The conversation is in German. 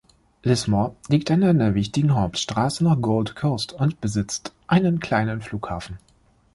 Lismore liegt an einer wichtigen Hauptstraße nach Gold Coast und besitzt einen kleinen Flughafen.